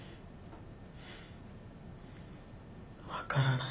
分からない。